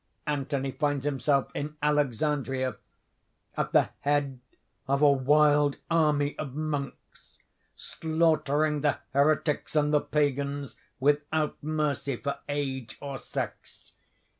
Anthony finds himself in Alexandria, at the head of a wild army of monks slaughtering the heretics and the pagans, without mercy for age or sex.